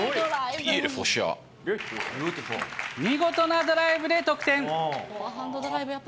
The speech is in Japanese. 見事なドライブで得点。